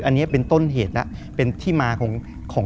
อันนี้เป็นต้นเหตุแล้วเป็นที่มาของ